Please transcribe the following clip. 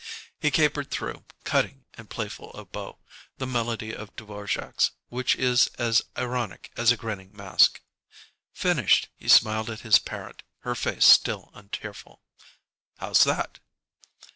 He capered through, cutting and playful of bow, the melody of Dvorák's, which is as ironic as a grinning mask. Finished, he smiled at his parent, her face still untearful. "How's that?"